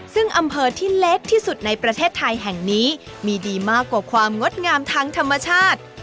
ซึ่งอำเภอที่เล็กที่สุดในประเทศไทยแห่งนี้มีดีมากกว่าความงดงามทางธรรมชาติ